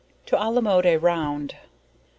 To alamode a round.